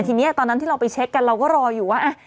ทีนี้ตอนนั้นที่เราไปเช็คกันเราก็รออยู่ว่า